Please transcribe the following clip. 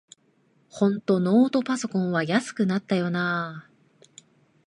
ほんとノートパソコンは安くなったよなあ